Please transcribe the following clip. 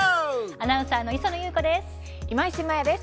アナウンサーの礒野祐子です。